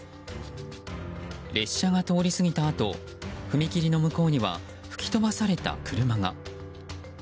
列車が通り過ぎたあと踏切の向こうには吹き飛ばされた車が。